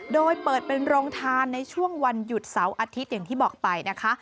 โดยเปิดเป็นโรงทานในช่วงวันหยุดเสาร์อาทิตย์อย่างที่บอกไปนะคะ